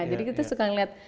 jadi kita suka lihat